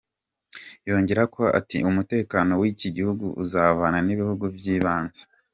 Yongerako ati :"Umutekano w'iki gihugu uzovana n'ibintu vyibanze.